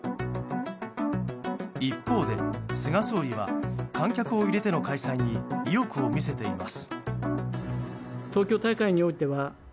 一方で、菅総理は観客を入れての開催に意欲を見せています。